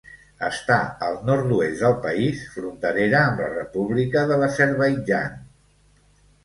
Està al nord-oest del país, fronterera amb la república de l'Azerbaidjan.